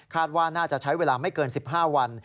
ว่าน่าจะใช้เวลาไม่เกิน๑๕วัน